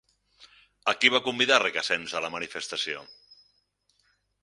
A qui va convidar Recasens a la manifestació?